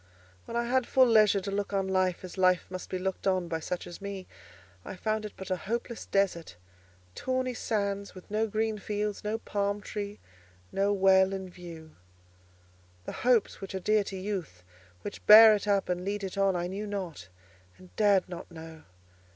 When I had full leisure to look on life as life must be looked on by such as me, I found it but a hopeless desert: tawny sands, with no green fields, no palm tree, no well in view. The hopes which are dear to youth, which bear it up and lead it on, I knew not and dared not know.